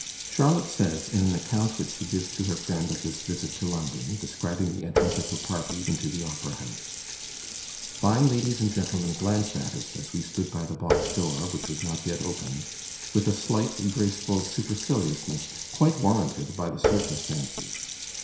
Charlotte says, in an account which she gives to her friend of this visit to London, describing the entrance of her party into the Opera house: "Fine ladies and gentlemen glanced at us, as we stood by the box door, which was not yet opened, with a slight, graceful superciliousness, quite warranted by the circumstances.